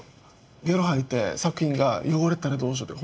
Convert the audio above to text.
ゲロ吐いて作品が汚れたらどうしようって。